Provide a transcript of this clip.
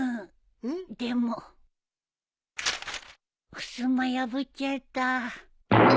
ふすま破っちゃった。